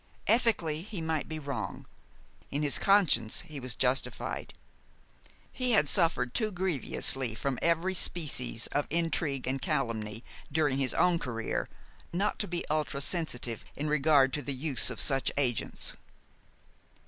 Ethically, he might be wrong; in his conscience he was justified. He had suffered too grievously from every species of intrigue and calumny during his own career not to be ultra sensitive in regard to the use of such agents.